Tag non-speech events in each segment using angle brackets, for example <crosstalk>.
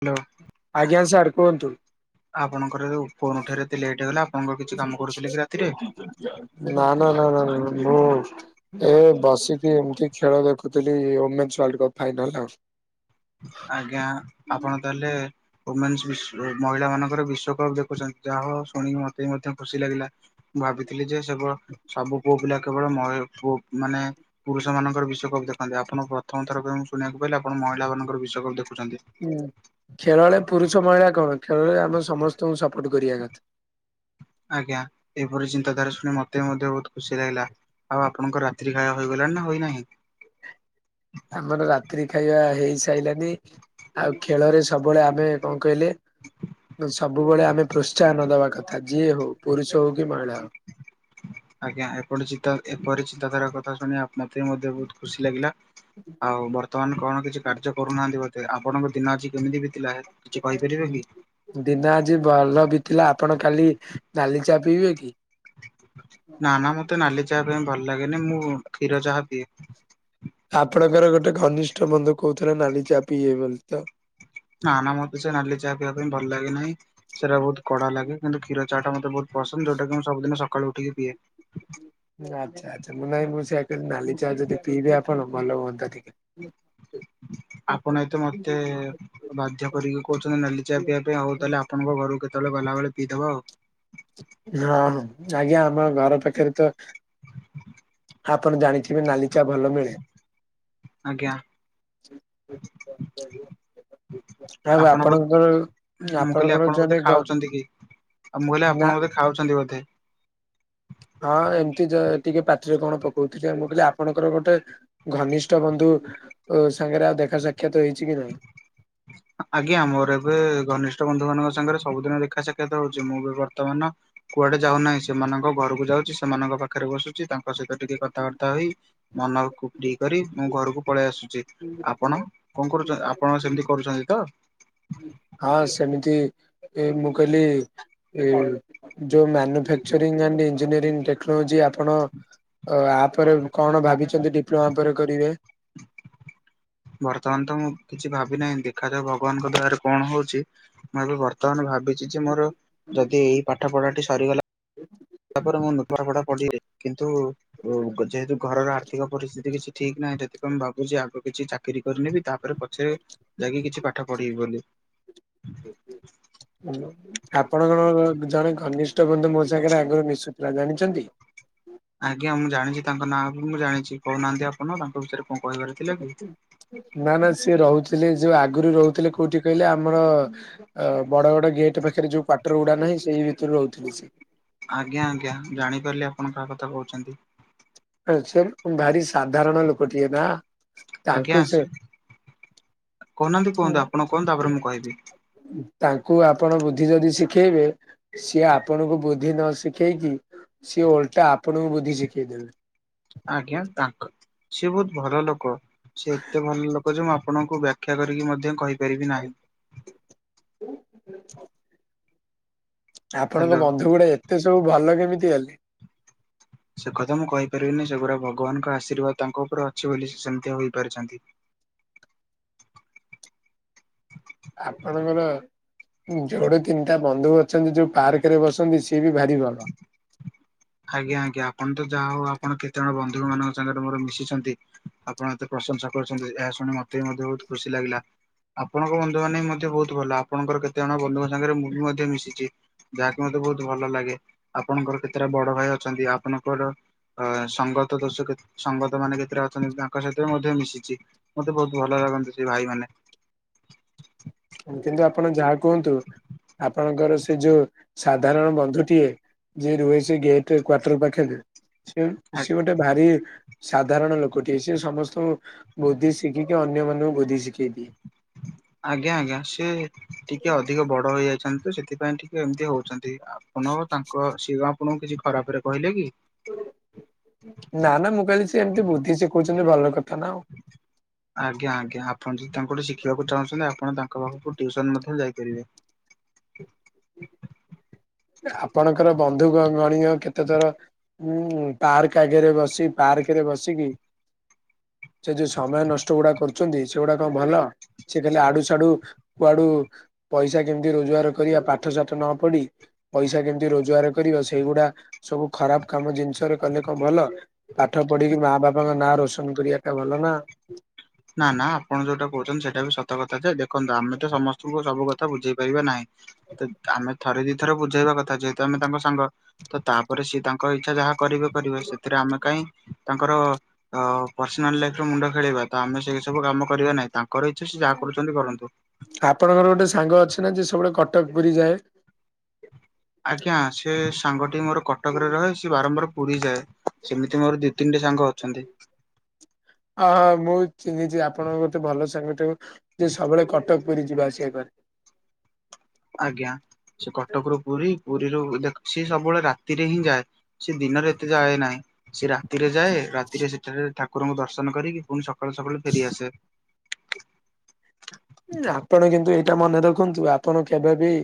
Hello ଆଜ୍ଞା sir କୁହନ୍ତୁ। ଆପଣଙ୍କର ଯୋଉ ଫୋନ ଉଠାଇବାରେ ଏତେ ଲେଟ ହେଇଗଲା ଆପଣଙ୍କର କିଛି କାମ କରୁଥିଲେ କି ରାତିରେ? ନା ନା ନା ନା ଭୁଲ୍ ମଏ ବସିକି ଏମିତି ଖେଳ ଦେଖୁଥିଲି ଓମେନ୍ସ ୱାର୍ଲ୍ଡ କପ୍ ଫାଇନାଲ ଆଉ। ଆଜ୍ଞା ଆପଣ ତାହେଲେ ଓମେନ୍ସ ବିଶ୍ବ ମହିଳା ମାନଙ୍କର ବିଶ୍ଵକପ ଦେଖୁଛନ୍ତି। ଯାହା ହେଉ ଶୁଣିକି ମତେ ବି ମଧ୍ୟ ଖୁସି ଲାଗିଲା। ମୁଁ ଭାବିଥିଲି ଯେ ସେ ସବୁ ପୁଅ ପିଲା କେବଳ ମହି ପୁ ମାନେ ପୁରୁଷ ମାନଙ୍କର ବିଶ୍ଵକପ ଦେଖନ୍ତି ଆପଣ ପ୍ରଥମ ଥର ପାଇଁ ମୁ ଶୁଣିବାକୁ ପାଇଲି ଆପଣ ମହିଳା ମାନଙ୍କ ଙ୍କର ବିଶ୍ଵକପ ଦେଖୁଛନ୍ତି। ଖେଳରେ ପୁରୁଷ ମହିଳା କଣ ଖେଳରେ ଆମେ ସମସ୍ତଙ୍କୁ ସପୋର୍ଟ କରିବା କଥା। ଆଜ୍ଞା ଏପରି ଚିନ୍ତାଧାରା ଶୁଣି ମତେ ମଧ୍ୟ ବହୁତ ଖୁସି ଲାଗିଲା। ଆଉ ଆପଣଙ୍କ ରାତ୍ରି ଖାଇବା ହୋଇଗଲାଣି ନା ହୋଇନାହିଁ? ଆମର ରାତ୍ରି ଖାଇବା ହେଇ ସାରିଲାଣି। ଆଉ ଖେଳରେ ସବୁବେଳେ ଆମେ କଣ କହିଲେ ସବୁବେଳେ ଆମେ ପ୍ରୋତ୍ସାହନ ଦବା କଥା ଯିଏ ହଉ ପୁରୁଷ ହଉ କି ମହିଳା ହଉ। ଆଜ୍ଞା ଏପରି ଚିତା ଏପରି ଚିନ୍ତାଧାରା କଥା ଶୁଣି ଆପ୍ ମତେ ବି ମଧ୍ୟ ବହୁତ ଖୁସି ଲାଗିଲା। ଆଉ ବର୍ତ୍ତମାନ କଣ କିଛି କାର୍ଯ୍ୟ କରୁନାହାନ୍ତି ବୋଧେ। ଆପଣଙ୍କ ଦିନ ଆଜି କେମିତି ବିତିଲା କିଛି କହିପାରିବେ କି? ଦିନ ଆଜି ଭଲ ବିତିଲା। ଆପଣ କାଲି ନାଲି ଚା ପିଇବେ କି? ନାଁ ନାଁ ମୋତେ ନାଲି ଚାହା ପାଇଁ ଭଲ ଲାଗେନି ମୁଁ କ୍ଷୀର ଚାହା ପିଏ। ଆପଣଙ୍କର ଗୋଟେ ଘନିଷ୍ଠ ବନ୍ଧୁ କହୁଥିଲେ ନାଲି ଚା ପିଇବେ ବୋଲି ତ। ନାଁ ନାଁ ମୋତେ ସେ ନାଲି ଚା ପିଇବା ପାଇଁ ଭଲ ଲାଗେ ନାହିଁ ସେଟା ବହୁତ କଡା ଲାଗେ। କିନ୍ତୁ କ୍ଷୀର ଚାହାଟା ମତେ ବହୁତ ପସନ୍ଦ ଯଉଟାକି ମୁଁ ସବୁଦିନ ସକାଳୁ ଉଠିକି ପିଏ। ଆଚ୍ଛା ଆଚ୍ଛା ମୁଁ ନାହିଁ ମୁଁ ସେଇଆ କହିଲି ନାଲି ଚା ଯଦି ପିଇବେ ଆପଣ ଭଲ ହୁଅନ୍ତା ଟିକେ। ଆପଣ ଏତେ ମତେ ବାଧ୍ୟ କରିକି କହୁଛନ୍ତି ନାଲି ଚା ହଁ ପିଇବା ପାଇଁ ହୋଉ ତାହେଲେ ଆପଣଙ୍କ ଘରକୁ କେତେବେଳେ ଗଲାବେଳେ ପିଇଦବା ଆଉ। ହଁ ହଁ ଆଜ୍ଞା ଆପଣ ଘର ପାଖରେ ତ ହଁ ଆପଣ ଜାଣିିଥିବେ ନାଲି ଚା ଭଲ ମିଳେ। ଆଜ୍ଞା ଆଉ ଆପଣ ବୋ ଆପଣଙ୍କର ଆପଣଙ୍କର ଜଣେ ଘ ଆଉଁ ମୁ କହିଲି ଆପଣ ବୋଧେ ଖାଉଛନ୍ତି ବୋଧେ। ହଁ ଏମିତି ଦ ଟିକେ ପାଟିରେ କଣ ପକଉଥିଲି। ମୁଁ କହିଲି ଆପଣଙ୍କର ଗୋଟେ ଘନିଷ୍ଠ ବନ୍ଧୁ ସାଙ୍ଗରେ ଆଉ ଦେଖା ସା କ୍ଷାତ ହେଇଛି କି ନାହିଁ? ଆଜ୍ଞା ମୋର ଏବେ ଘନିଷ୍ଠ ବନ୍ଧୁ ମାନଙ୍କ ସାଙ୍ଗରେ ସବୁଦିନ ଦେଖା ସାକ୍ଷାତ ହୋଉଛି ମୁଁ ବି ବର୍ତ୍ତମାନ କୁଆଡେ ଯାଉନାହିଁ ସେମାନଙ୍କ ଘରକୁ ଯାଉଛି ସେମାନଙ୍କ ପାଖରେ ବସୁଛି ତାଙ୍କୁ ତାଙ୍କ ସହିତ ଟିକେ କଥାବାର୍ତ୍ତା ହୋଇ ମନକୁ ଫ୍ରି କରି ମୁଁ ଘରକୁ ପଳେଇ ଆସୁଛି। ଆପଣ? କଣ କରୁଛନ୍ତି? ଆପଣ ସେମିତି କରୁଛନ୍ତି ତ? ହଁ ସେମିତି ଏ ମୁଁ କହିଲି ଏ ଯୋଉ ମ୍ୟାନୁଫାକଚରିଙ୍ଗ ଆଣ୍ଡ ଇଞ୍ଜିନିୟରି ଟେକ୍ନୋଲୋଜି ଆପଣ ଆପରେ କଣ ଭାବିଛନ୍ତି ଡିପ୍ଲୋମା ପରେ କରିବେ? ବର୍ତ୍ତମାନ ତ ମୁଁ କିଛି ଭାବି ନାହିଁ ଦେଖାଯାଉ ଭଗବାନଙ୍କ ଦୟାରୁ କଣ ହଉଛି। ମୁଁ ଏବେ ବର୍ତ୍ତମାନ ଭାବିଛି ଯେ ମୋର ଯଦି ଏଇ ପାଠ ପଢାଟି ସରିଗଲା। ଏ ତାପରେ ମୁଁ ନୂତନ ପଢା ପଢିବି, କିନ୍ତୁ ଯେହେତୁ ଘରର ଆର୍ଥିକ ପରିସ୍ଥିତି କିଛି ଠିକ ନାହିଁ ସେଥିପାଇ ମୁଁ ଭାବୁଛି ଆଗ କିଛି ଚାକିରି କରିନେବି ତାପରେ ପଛେ ଯାଇକି କିଛି ପାଠ ପଢିବି ବୋଲି। ହୁଁ। ଆପଣଙ୍କର ଜଣେ ଘନିଷ୍ଠ ବନ୍ଧୁ ମୋ ସାଙ୍ଗରେ ଆଗରୁ ମିଶୁଥିଲା, ଜାଣିଛନ୍ତି? ଆଜ୍ଞା ମୁଁ ଜାଣିଛି ତାଙ୍କ ନାଁ ବି ମୁଁ ଜାଣିଛି କହୁନାହାନ୍ତି ଆପଣ ତାଙ୍କ ବିଷୟରେ କଣ କହିବାର ଅଛି। ନା ନା ସିଏ ରହୁଥିଲେ, ଯୋଉ ଆଗରୁ ରହୁଥିଲେ କୋଉଠି କହିଲେ ଆମର ଅ ବଡ ବଡ ଗେଟ୍ ପାଖରେ ଯୋଉ କ୍ୱାଟର ଗୁଡା ନାହିଁ ସେଇ ଭିତରୁ ରହୁଥିଲେ ସିଏ। ଆଜ୍ଞା ଆଜ୍ଞା ଜାଣିପାରିଲି ଆପଣ କାହା କଥା କହୁଛନ୍ତି। କିନ୍ତୁ ଭାରି ସାଧାରଣ ଲୋକଟିଏ ନା? ଆଜ୍ଞା ତାଙ୍କୁ ସେ ଆସିବି, କହୁନାହାନ୍ତି କୁହନ୍ତୁ ଆପଣ କୁହନ୍ତୁ ତାପରେ ମୁଁ କହିବି। ତାଙ୍କୁ ଆପଣ ବୁଦ୍ଧି ଯଦି ଶିଖେଇବେ ସିଏ ଆପଣଙ୍କୁ ବୁଦ୍ଧି ନ ଶିଖେଇକି, ସିଏ ଓଲଟା ଆପଣଙ୍କୁ ବୁଦ୍ଧି ଶିଖେଇ ଦେବେ। ଆଜ୍ଞା ତାଙ୍କ, ସିଏ ବହୁତ ଭଲ ଲୋକ। ସେ ଏତେ ଭଲ ଲୋକ ଯେ ମୁଁ ଆପଣଙ୍କୁ ବାଖ୍ୟା କରିକି ମଧ୍ୟ କହିପାରିବି ନାହିଁ। ହ ଆପଣଙ୍କ ହ୍ୟାଲୋ। ବନ୍ଧୁ ଗୁଡା ଏତେ ସବୁ ଭଲ କେମିତି ହେଲେ? ସେ କଥା ମୁଁ କହିପାରିବିନି, ସେଗୁଡ଼ା ଭଗବାନଙ୍କ ଆଶୀର୍ବାଦ ତାଙ୍କ ଉପରେ ଅଛି ବୋଲି ସେ ସେମିତି ହୋଇପାରିଛନ୍ତି। ହ ଆପଣଙ୍କର ଯୋଉଠୁ ତିନିଟା ବନ୍ଧୁ ଅଛନ୍ତି ଯୋଉ ପାର୍କ ରେ ବସନ୍ତି ସିଏ ବି ଭାରି ଭଲ। ଁ ଆଜ୍ଞା ଆଜ୍ଞା, ଆପଣ ତ ଯାହା ହଉ ଆପଣ କେତେ ଜଣ ବନ୍ଧୁ ମାନଙ୍କ ସାଙ୍ଗରେ ମୋର ମିଶିଛନ୍ତି। ଆପଣ ଏତେ ପ୍ରଶଂସା କରୁଛନ୍ତି, ଏହା ଶୁଣି ମତେ ବି ମଧ୍ୟ ବହୁତ ଖୁସି ଲାଗିଲା। ଆପଣଙ୍କ ବନ୍ଧୁମାନେ ମଧ୍ୟ ବହୁତ ଭଲ, ଆପଣଙ୍କର କେତେଜଣ ବନ୍ଧୁଙ୍କ ସାଙ୍ଗରେ ମୁଁ ବି ମଧ୍ୟ ମିଶିଛି। ଯାହାକି ମତେ ବହୁତ ଭଲ ଲାଗେ, ଆପଣଙ୍କର କେତେଟା ବଡ ଭାଇ ଅଛନ୍ତି ଆପଣଙ୍କର। ଅ ସଙ୍ଗତ ଦୋଷ ସଙ୍ଗତ ମାନେ କେତେଟା ଅଛନ୍ତି ତାଙ୍କ ସହିତ ମଧ୍ୟ ମିଶିଛି। ମତେ ବହୁତ ଭଲ ଲାଗନ୍ତି ସେ ଭାଇ ମାନେ। କିନ୍ତୁ ଆପଣ ଯାହା କୁହନ୍ତୁ ଆପଣଙ୍କର ସେ ଯୋଉ ସାଧାରଣ ବନ୍ଧୁଟିଏ, ଯିଏ ରୁହେ ସେ ଗେଟରେ କ୍ଵାର୍ଟର ପାଖରେ, ସେ ସେ ଗୋଟେ ଟେ ଭାରି ସାଧାରଣ ଲୋକଟିଏ, ସେ ସମସ୍ତଙ୍କୁ ବୁଦ୍ଧି ଶିଖିକି ଅନ୍ୟମାନନଙ୍କୁ ବୁଦ୍ଧି ଶିଖେଇ ଦିଏ। ଆଜ୍ଞା ଆଜ୍ଞା, ସେ ଟିକେ ଅଧିକ ବଡ ହେଇଯାଇଛନ୍ତି ତ ସେଥିପାଇଁ ଟିକେ ଏମିତି ହଉଛନ୍ତି। ଆପଣ ତାଙ୍କ, ସିଏ କଣ ଆପଣଙ୍କୁ କିଛି ଖରାପ ରେ କହିଲେ କି? ନା ନା ମୁଁ କହିଲି ସେ ଏମିତି ବୁଦ୍ଧି ଶିଖଉଛନ୍ତି ଭଲ କଥା ନା ଆଉ। <unintelligible> ଆଜ୍ଞା ଆଜ୍ଞା ଆପଣ ଯଦି ତାଙ୍କ ଠୁ ଶିଖିବାକୁ ଚାହୁଁଛନ୍ତି, ଆପଣ ତାଙ୍କ ପାଖକୁ ଟିଉସନ ମଧ୍ୟ ଯାଇପାରିବେ। ଆପଣଙ୍କର ବନ୍ଧୁଗଣ କେତେ ଥର ହୁଁ ପାର୍କ ଆଗରେ ବସି, ପାର୍କରେ ବସିକି ସେ ଯୋଉ ସମୟ ନଷ୍ଟ ଗୁଡା କରୁଛନ୍ତି, ସେଗୁଡା କଣ ଭଲ? ସେ ଖାଲି ଆଡୁ ସାଡୁ କୁଆଡୁ ପଇସା କେମିତି ରୋଜଗାର କରିବା ପାଠସଠ ନ ପଢି ପଇସା କେମିତି ରୋଜଗାର କରିବା, ସେଇଗୁଡା ସବୁ ଖରାପ କାମ ଜିନିଷରେ କଲେ କଣ ଭଲ? ପାଠ ପଢିକି ମା ବାପାଙ୍କ ନାଁ ରୋଶନ କରିବା ଟା ଭଲ ନା। ନା ନା ଆପଣ ଯୋଉଟା କହୁଛନ୍ତି ସେଇଟା ବି ସତ କଥା ଯେ, ଦେଖନ୍ତୁ ଆମେ ତ ସମସ୍ତଙ୍କୁ ସବୁ କଥା ବୁଝେଇ ପାରିବା ନାହିଁ। ତ ଆମେ ଥରେ ଦିଥରେ ବୁଝେଇବା କଥା। ଯେହେତୁ ଆମେ ତାଙ୍କ ସାଙ୍ଗ। ତ ତାପରେ ସିଏ ତାଙ୍କ ଇଚ୍ଛା ଯାହା କରିବେ କରିବେ। ସେଥିରେ ଆମେ କାହିଁ ତାଙ୍କର ପର୍ସିନାଲ୍ ଲାଇଫ୍ ରେ ମୁଣ୍ଡ ଖେଳେଇବା। ତ ଆମେ ସେଇ ସବୁ କାମ କରିବା ନାହିଁ। ତାଙ୍କର ଇଚ୍ଛା ସେ ଯାହା କରୁଛନ୍ତି କରନ୍ତୁ। ଆପଣଙ୍କର ଗୋଟେ ସାଙ୍ଗ ଅଛି ନା। ଯିଏ ସବୁବେଳେ କଟକ ପୁରୀ ଯାଏ। ଆଜ୍ଞା ସେ ସାଙ୍ଗଟି ମୋର କଟକରେ ରହେ। ସେ ବାରମ୍ବାର ପୁରୀ ଯାଏ। ସେମିତି ମୋର ଦି ତିନି ଟା ସାଙ୍ଗ ଅଛନ୍ତି। ହଁ ହଁ ମୁଁ ଚିହ୍ନିଚି ଆପଣଙ୍କ ବୋହୁତୁ ଭଲ ସାଙ୍ଗ କୁ ଯେ ସବୁବେଳେ କଟକ ପୁରୀ ଯିବା ଆସିବା କରେ। ଆଜ୍ଞା। ସେ କଟକରୁୁ ପୁରୀ ପୁରୀରୁ ଦେଖ ସେ ସବୁବେଳେ ରାତିରେ ହିଁ ଯାଏ। ସେ ଦିନରେ ଏତେ ଯାଏ ନାହିଁ। ସେ ରାତିରେ ଯାଏ। ରାତିରେ ସେଠାରେ ଠାକୁରଙ୍କୁ ଦର୍ଶନ କରିକି ଫୁଣି ସକାଳୁ ସକାଳୁ ଫେରିଆସେ। ଆପଣ କିନ୍ତୁ ଏଇଟା ମନେ ରଖନ୍ତୁ। ଆପଣ କେବେ ବି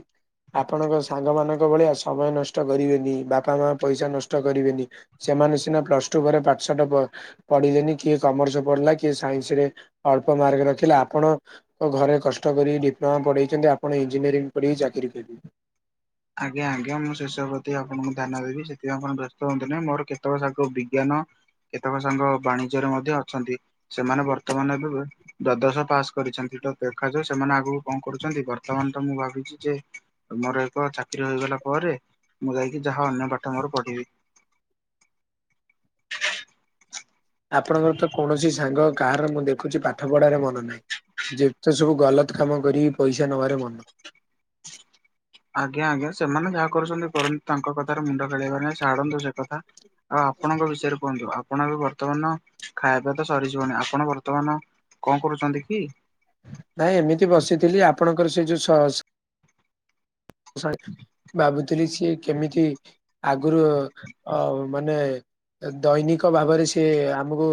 ଆପଣଙ୍କ ସାଙ୍ଗ ମାନଙ୍କ ଭଳିଆ ସମୟ ନଷ୍ଟ କରିବେନି। ବାପା ମା ପଇସା ନଷ୍ଟ କରିବେନି। ସେମାନେ ସିନା ପ୍ଲସ ଟୁ ପରେ ପାଠସାଠ ପ ପଢିଲେନି କିଏ କମର୍ସ ପଢିଲା। କିଏ ସାଇନ୍ସ ରେ ଅଳ୍ପ ମାର୍କ ରଖିଲା। ଆପଣ ଘରେ କଷ୍ଟ କରି ଡିପ୍ଲୋମା ପଢେଇଛନ୍ତି। ଆପଣ ଇଞ୍ଜିନିୟରିଂ ପଢିକି ଚାକିରି କରିବେ। ଆଜ୍ଞା। ଆଜ୍ଞା। ମୁଁ ସେସବୁ ପ୍ରତି ଆପଣଙ୍କୁ ଧ୍ୟାନ ଦେବି। ସେଥିପାଇଁ ଆପଣ ବ୍ୟସ୍ତ ହୁଅନ୍ତୁନି ମୋର କେତେବେଳେ ସାର୍ କୋ ବିଜ୍ଞାନ କେତେକ ସାଙ୍ଗ ବାଣିଜ୍ୟରେ ମଧ୍ୟ ଅଛନ୍ତି। ସେମାନେ ବର୍ତ୍ତମାନ ଏବେ ଦ୍ଵାଦଶ ପାସ୍ କରିଛନ୍ତି। ତ ଦେଖାଯାଉ ସେମାନେ ଆଗକୁ କଣ କରୁଛନ୍ତି। ବର୍ତ୍ତମାନ ତ ମୁଁ ଭାବିଛି ଯେ ମୋର ଏକ ଚାକିରୀ ହୋଇଗଲା ପରେ। ମୁଁ ଯାଇକି ଯାହା ଅନ୍ୟ ପାଠ ମୋର ପଢିବି। ଆପଣଙ୍କର ତ କୌଣସି ସାଙ୍ଗ କାହାର ମୁଁ ଦେଖୁଛି ପାଠ ପଢାରେ ମନ ନାହିଁ। ଯେତେ ସବୁ ଗଲତ୍ କାମ କରିକି ପଇସା ନବାରେ ମନ। ଆଜ୍ଞା ଆଜ୍ଞା ସେମାନେ ଯାହା କରୁଛନ୍ତି କରନ୍ତୁ। ତାଙ୍କ କଥାରେ ମୁଣ୍ଡ ଖେଳେଇବା ନାହିଁ ଛାଡ଼ନ୍ତୁ। ସେ କଥା ଆଉ ଆପଣଙ୍କ ବିଷୟରେ କୁହନ୍ତୁ। ଆପଣ ଏବେ ବର୍ତ୍ତମାନ ଖାଇବା ତ ସରିଯିବଣି। ଆପଣ ବର୍ତ୍ତମାନ କଣ କରୁଛନ୍ତି କି? ନାଇଁ ଏମିତି ବସିଥିଲି। ଆପଣଙ୍କର ସେ ଯୋଉ ସସ୍‌ ଭାବୁଥିଲି ସିଏ କେମିତି ଆଗରୁ ଅ ମାନେ ଦୈନିକ ଭାବରେ ସି ଆମକୁ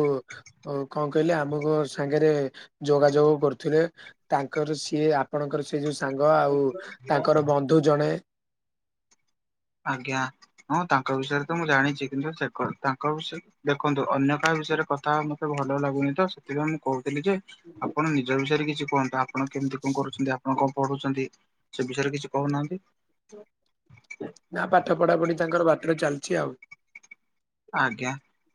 ଓ କଣ କହିଲେ ଆମ କ ସାଙ୍ଗରେ ଯୋଗାଯୋଗ କରୁଥିଲେ। ତାଙ୍କର ସିଏ ଆ ପଣଙ୍କର ସେଇ ଯୋଉ ସାଙ୍ଗ। ଆଉ ତାଙ୍କର ବନ୍ଧୁ ଜଣେ ଆଜ୍ଞା। ହଁ ତାଙ୍କ ବିଷୟରେ ତ ମୁଁ ଜାଣିଛି। କିନ୍ତୁ ସେ ତାଙ୍କ ବିଷୟରେ ଦେଖନ୍ତୁ ଅନ୍ୟ କାହା ବିଷୟରେ କଥା ହବା ମତେ ଭଲ ଲାଗୁନି ତ ସେଥିପାଇଁ ମୁଁ କହୁଥିଲି ଯେ ଆପଣ ନିଜ ବିଷୟରେ କିଛି କୁହନ୍ତୁ ଆ ପଣ କେମିତି କଣ କରୁଛନ୍ତି। ଆପଣ କଣ ପଢୁଛନ୍ତି ସେ ବିଷୟରେ କିଛି କହୁନାହାନ୍ତି? ନା ପାଠ ପଢା ପଢି ତାଙ୍କର ବାଟରେ ଚାଲିଛି ଆଉ। ଆଜ୍ଞା।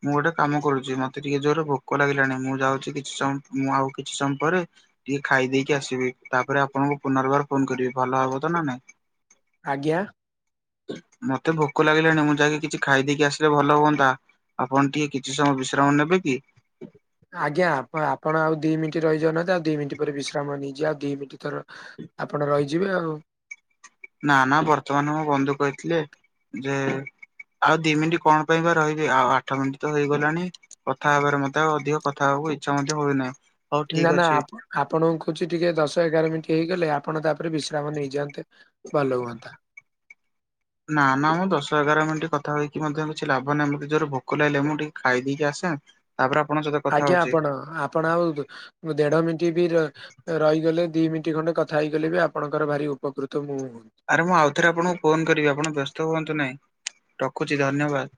ମୁଁ ଗୋଟେ କାମ କରୁଛି। ମତେ ଟିକେ ଜୋରରେ ଭୋକ ଲାଗିଲାଣି ମୁଁ ଯାଉଛି କିଛି ସମୟ ମୁଁ ଆଉ କିଛି ସମୟ ପରେ ଟିକେ ଖାଇଦେଇକି ଆସିବି ତାପରେ ଆପଣଙ୍କୁ ପୁନର୍ବାର ଫୋନ କରିବି ଭଲ ହବ ତ ନା ନାଇଁ? ଆଜ୍ଞା। ମତେ ଭୋକ ଲାଗିଲାଣି। ମୁଁ ଯାଇକି କିଛି ଖାଇଦେଇକି ଆସିଲେ ଭଲ ହୁଅନ୍ତା। ଆପଣ ଟିକେ କିଛି ସମୟ ବିଶ୍ରାମ ନେବେ କି? ଆଜ୍ଞା ଆପଣ ଆଉ ଦି ମିନିଟ ରହିଯାଉନାହାନ୍ତି। ଆଉ ଦି ମିନିଟ ପରେ ବିଶ୍ରାମ ନେଇଯିବା ଆଉ ଦି ମିନିଟ ଥର ଆପଣ ରହିଯିବେ ଆଉ। ନା ନା ବର୍ତ୍ତମାନ ମୋ ବନ୍ଧୁ କହିଥିଲେ ଯେ ଆଉ ଦି ମିନିଟ୍ କଣ ପାଇଁ ବା ରହିବି ଆଉ ଆଠ ମିନିଟ୍ ତ ହେଇଗଲାଣି। କଥା ହେବାରେ ମଧ୍ୟ ଅଧିକ କଥା ହବାକୁ ଇଚ୍ଛା ମଧ୍ୟ ହୋଉନି ନାହିଁ। ନା ନା ଆପ ଆପଣଙ୍କୁ କହୁଛି ଟିକେ ଦଶ ଏଗାର ମିନିଟ୍ ହେଇଗଲେ ଆପଣ ତାପରେ ବିଶ୍ରାମ ନେଇଯାଆନ୍ତେ ଭଲ ହୁଅନ୍ତା। ନା ନା ମୁଁ ଦଶ ଏଗାର ମିନିଟ୍ କଥା ହେଇକି ମଧ୍ୟ କିଛି ଲାଭ ନାହିଁ। ମୋତେ ଜୋର ଭୋକ ଲାଗିଲେ ମୁଁ ଟିକେ ଖାଇଦେଇକି ଆସେ। ତାପରେ ଆପଣଙ୍କ ସହିତ କଥା ଆଜ୍ଞା ହଉଛି ଆପଣ ଆପଣ ଆଉ ଦେଢ ମିନିଟ୍ ବି ରହିଗଲେ ଦି ମିନିଟ୍ ଖଣ୍ଡେ କଥା ହେଇଗଲେ ବି ଆପଣଙ୍କର ଭାରି ଉପକୃତ ମୁଁ ହୁଅନ୍ତି। ଆରେ ମୁଁ ଆଉଥରେ ଆପଣଙ୍କୁ ଫୋନ୍ କରିବି ଆପଣ ବ୍ୟସ୍ତ ହୁଅନ୍ତୁ ନାହିଁ ରଖୁଛି ଧନ୍ୟବାଦ।